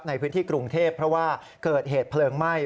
ในพื้นที่กรุงเทพเพราะว่าเกิดเหตุเพลิงไหม้